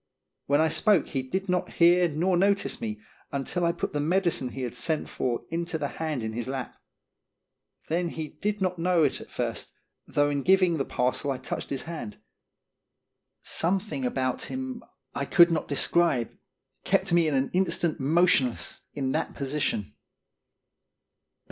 When 1 spoke he did not hear nor notice me until I put the 01 6to0rn Statement. 217 medicine he had sent for into the hand in his lap. Then he did not know it at first, though in giving the parcel I touched his hand. Some thing about him I could not describe kept me an instant motionless in that position.